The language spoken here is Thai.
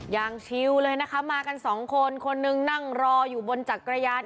ชิวเลยนะคะมากันสองคนคนหนึ่งนั่งรออยู่บนจักรยาน